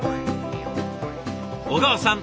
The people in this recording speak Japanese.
小川さん